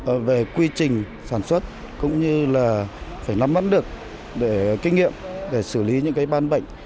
các yêu cầu về quy trình sản xuất cũng như là phải nắm mắt được kinh nghiệm để xử lý những ban bệnh